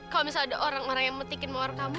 kalau misalnya ada orang orang yang memetikin mawar kamu